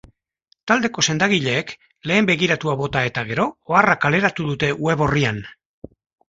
Taldeko sendagileek lehen begiratua bota eta gero oharra kaleratu dute web orrian.